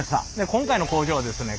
今回の工場はですね